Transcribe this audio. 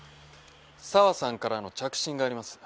沢さんからの着信があります。